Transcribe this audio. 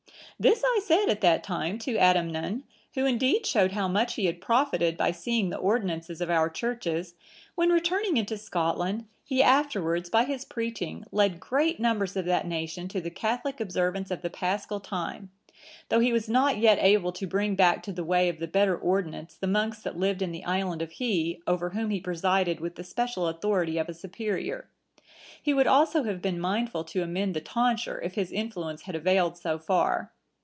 "This I said at that time to Adamnan, who indeed showed how much he had profited by seeing the ordinances of our Churches, when, returning into Scotland,(986) he afterwards by his preaching led great numbers of that nation to the catholic observance of the Paschal time; though he was not yet able to bring back to the way of the better ordinance the monks that lived in the island of Hii over whom he presided with the special authority of a superior. He would also have been mindful to amend the tonsure, if his influence had availed so far.